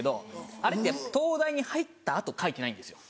あれってやっぱ東大に入った後書いてないんですよ。